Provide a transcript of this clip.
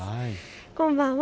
こんばんは。